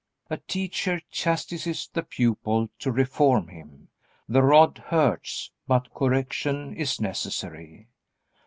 A teacher chastises the pupil to reform him. The rod hurts, but correction is necessary.